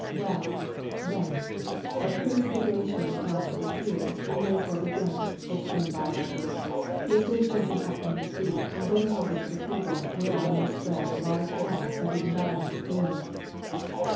" Well, then, as Prince Bagration is not to be here, we may as well begin," exclaimed Weirother, hastily jumping up from his seat and going over to the table whereon was spread a large map of the environs of Briinn.